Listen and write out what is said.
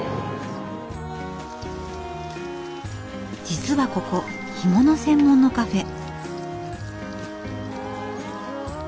実はここ干物専門のカフェ。